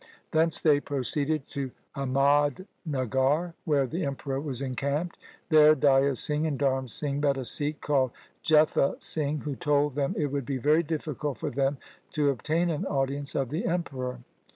Thence they proceeded to Ahmadnagar, where the Emperor was encamped. There Daya Singh and Dharm Singh met a Sikh called Jetha Singh, who told them it would be very difficult for them to obtain an audience of the Emperor.